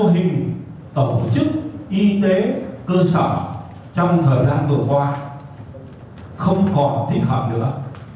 và dường như mô hình tổ chức y tế cơ sở trong thời gian vừa qua không còn thích hợp nữa